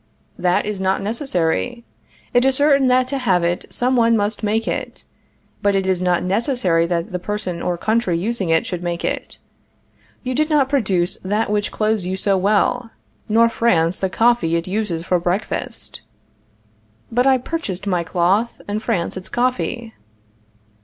That is not necessary. It is certain that to have it some one must make it; but it is not necessary that the person or country using it should make it. You did not produce that which clothes you so well, nor France the coffee it uses for breakfast. But I purchased my cloth, and France its coffee.